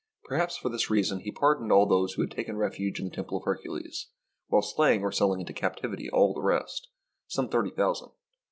Perhaps for this reason he pardoned all those who had taken refuge in the temple of Hercules, while slaying or selling into captivity all the rest, some thirty thou sand.